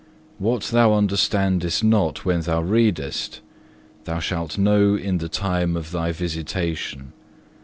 What thou understandest not when thou readest, thou shalt know in the time of thy visitation.